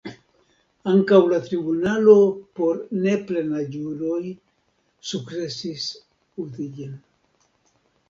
Ankaŭ la tribunalo por neplenaĝuloj sukcesis uzi ĝin.